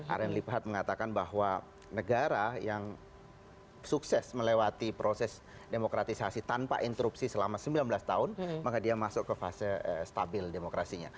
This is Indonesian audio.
aren lipat mengatakan bahwa negara yang sukses melewati proses demokratisasi tanpa interupsi selama sembilan belas tahun maka dia masuk ke fase stabil demokrasinya